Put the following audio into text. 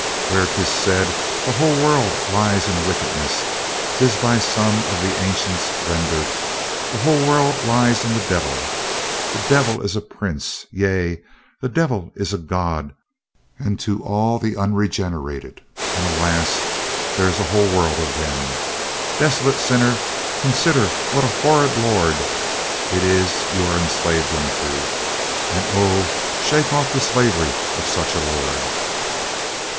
Where 'tis said, 'the whole world lies in wickedness,' 'tis by some of the ancients rendered, 'the whole world lies in the devil.' The devil is a prince, yea, the devil is a god unto all the unregenerate, and, alas, there is a whole world of them. Desolate sinner, consider what a horrid lord it is you are enslaved unto, and oh, shake off the slavery of such a lord."